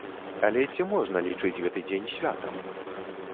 Але ці можна лічыць гэты дзень святам?